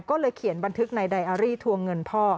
ก็เลยเขียนบันทึกในไดอารี่ทวงเงินพ่อ